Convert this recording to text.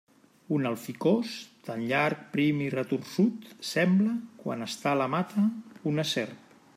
Un alficòs, tan llarg, prim i retorçut, sembla, quan està a la mata, una serp.